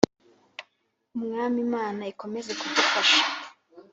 Umwami Imana ikomeze kudufasha.